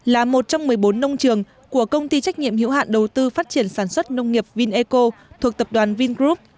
là một trong một mươi bốn nông trường của công ty trách nhiệm hiệu hạn đầu tư phát triển sản xuất nông nghiệp vineco thuộc tập đoàn vingroup